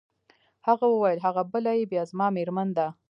هغه وویل: هغه بله يې بیا زما مېرمن ده.